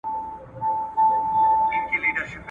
ماته مي مات زړه په تحفه کي